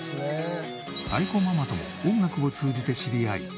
愛子ママとも音楽を通じて知り合い結婚。